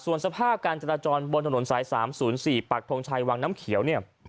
ส่วนสภาพการจราจรบนถนนสาย๓๐๔ปักทงชัยวังน้ำเขียวเนี่ย